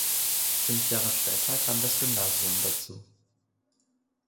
Fünf Jahre später kam das Gymnasium dazu.